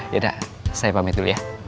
yaudah saya pamit dulu ya